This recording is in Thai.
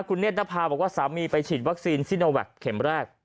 คุณเนธนภาบอกว่าสามีไปฉีดวัคซีนซิโนแวคเข็มแรก